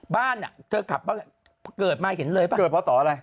บ้านเธอขับเกิดมาเห็นเลยหรือเปล่า